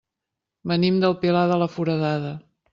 Venim del Pilar de la Foradada.